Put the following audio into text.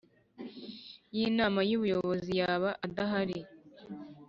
w Inama y Ubuyobozi yaba adahari